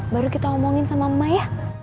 baru kita omongin sama emak ya